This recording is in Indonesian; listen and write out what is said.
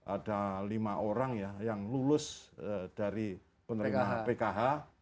ada lima orang ya yang lulus dari penerima pkh